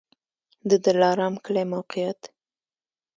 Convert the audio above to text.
د دلارام کلی موقعیت